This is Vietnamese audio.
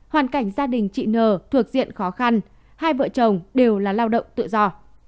hoàn cảnh gia đình chị nờ thuộc diện khó khăn hai vợ chồng đều là lao động tự do